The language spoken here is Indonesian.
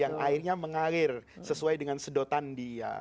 yang airnya mengalir sesuai dengan sedotan dia